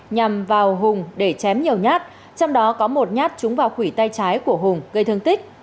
nhằm vào hùng để chém nhiều nhát trong đó có một nhát trúng vào khủy tay trái của hùng gây thương tích